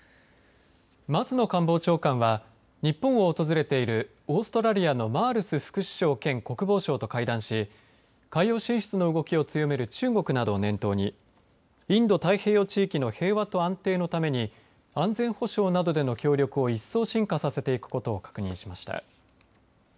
松野官房長官は日本を訪れているオーストラリアのマールス副首相兼国防相と会談し海洋進出の動きを強める中国などを念頭にインド太平洋地域の平和と安定のために安全保障などでの強力を一層、深化させていくことを確認しました。